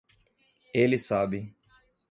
Ele sabe